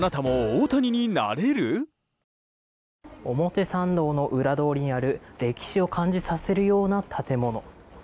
表参道の裏通りにある歴史を感じさせるような建物。